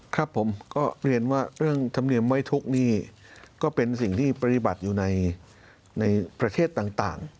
ครับผมก็เรียนว่าเรื่องธรรมเนียมไว้ทุกข์นี่ก็เป็นสิ่งที่ปฏิบัติอยู่ในประเทศต่าง